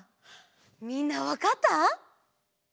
みんなわかった？